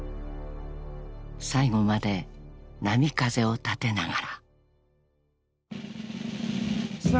［最後まで波風を立てながら］